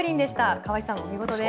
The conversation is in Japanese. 川合さんお見事です。